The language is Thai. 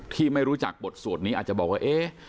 ที่ไม่รู้จักบทสวดนี้อาจจะบอกว่า